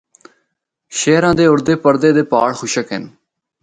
شہرا دے اُردے پردے دے پہاڑ خشک ہن۔